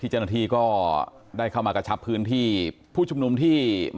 ที่เจ้าหน้าที่ก็ได้เข้ามากระชับพื้นที่